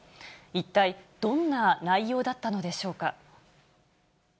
一体どんな内容だったのでしょうか。